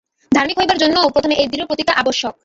ধার্মিক হইবার জন্যও প্রথমেই এই দৃঢ় প্রতিজ্ঞা আবশ্যক।